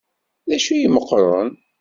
D acu i imeqqren?